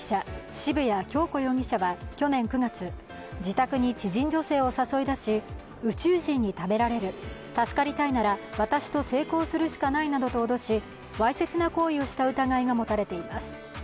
渋谷恭子容疑者は去年９月、自宅に知人女性を誘い出し、宇宙人に食べられる、助かりたいなら私と性交するしかないなどと脅し、わいせつな行為をした疑いが持たれています。